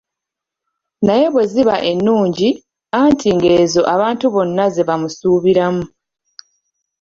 Naye bwe ziba ennungi, anti ng'ezo abantu bonna ze bamusuubiramu.